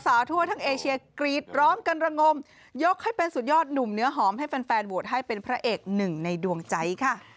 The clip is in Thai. ทั่วทั้งเอเชียกรีดร้องกันระงมยกให้เป็นสุดยอดหนุ่มเนื้อหอมให้แฟนโหวตให้เป็นพระเอกหนึ่งในดวงใจค่ะ